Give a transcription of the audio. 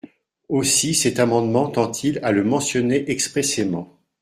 Aussi cet amendement tend-il à le mentionner expressément.